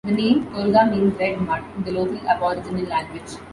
The name Tolga means "red mud" in the local Aboriginal language.